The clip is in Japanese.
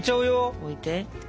置いて。